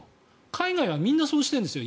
海外はみんなそうしているんですよ。